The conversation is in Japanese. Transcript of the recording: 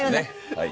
はい。